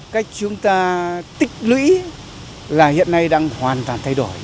cách chúng ta tích lũy là hiện nay đang hoàn toàn thay đổi